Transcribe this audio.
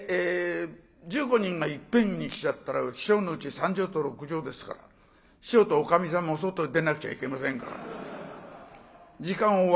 で１５人がいっぺんに来ちゃったら師匠のうち３畳と６畳ですから師匠とおかみさんも外へ出なくちゃいけませんから時間を割りまして若い者順にって。